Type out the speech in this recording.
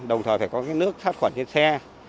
đồng thời phải có cái nước sát khuẩn trên xe